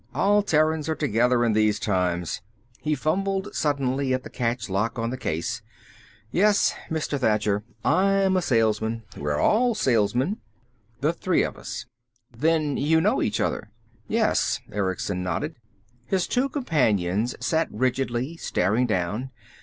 "All Terrans are together in these times." He fumbled suddenly at the catch lock on the case. "Yes, Mr. Thacher. I'm a salesman. We're all salesmen, the three of us." "Then you do know each other." "Yes." Erickson nodded. His two companions sat rigidly, staring down.